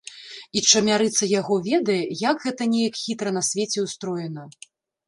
І чамярыца яго ведае, як гэта неяк хітра на свеце ўстроена!